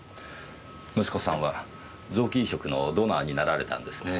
息子さんは臓器移植のドナーになられたんですねぇ。